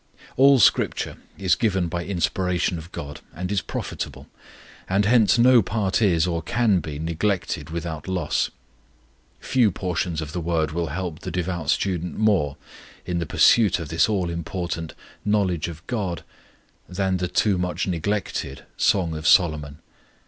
All Scripture is given by inspiration of God and is profitable, and hence no part is, or can be, neglected without loss. Few portions of the Word will help the devout student more in the pursuit of this all important "knowledge of GOD" than the too much neglected "Song of Solomon."